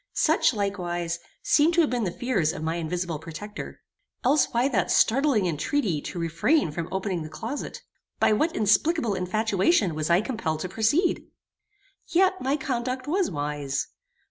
Such, likewise, seem to have been the fears of my invisible protector. Else why that startling intreaty to refrain from opening the closet? By what inexplicable infatuation was I compelled to proceed? Yet my conduct was wise.